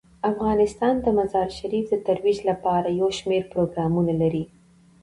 افغانستان د مزارشریف د ترویج لپاره یو شمیر پروګرامونه لري.